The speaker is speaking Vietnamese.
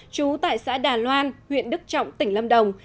trú tại xã đà loan huyện đức trọng tỉnh lâm đồng